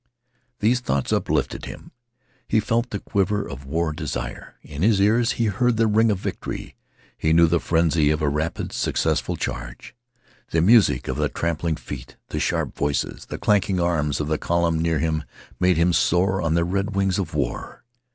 These thoughts uplifted him. He felt the quiver of war desire. In his ears, he heard the ring of victory. He knew the frenzy of a rapid successful charge. The music of the trampling feet, the sharp voices, the clanking arms of the column near him made him soar on the red wings of war.